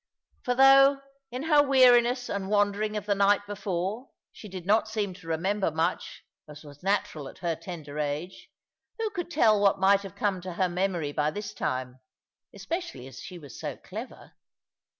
For though, in her weariness and wandering of the night before, she did not seem to remember much, as was natural at her tender age, who could tell what might have come to her memory by this time, especially as she was so clever?